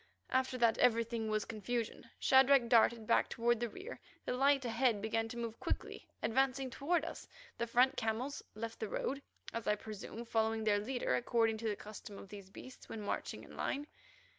After that everything was confusion. Shadrach darted back toward the rear. The light ahead began to move quickly, advancing toward us. The front camels left the road, as I presume, following their leader according to the custom of these beasts when marching in line.